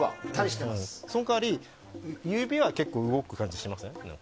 その代わり指は結構動く感じしません？